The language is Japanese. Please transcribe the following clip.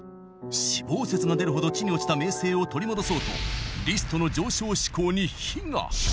死亡説が出るほど地に落ちた名声を取り戻そうとリストの上昇志向に火が。